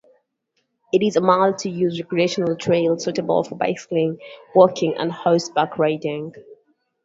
It is a multi-use recreational trail suitable for bicycling, walking and horseback riding.